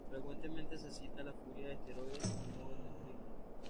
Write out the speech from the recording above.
Frecuentemente se cita la "furia de esteroides" como móvil del crimen.